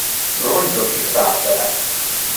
Rongyot itat át vele.